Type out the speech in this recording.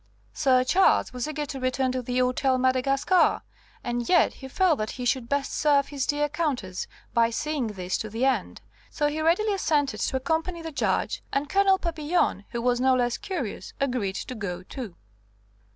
Sir Charles was eager to return to the Hôtel Madagascar, and yet he felt that he should best serve his dear Countess by seeing this to the end. So he readily assented to accompany the Judge, and Colonel Papillon, who was no less curious, agreed to go too.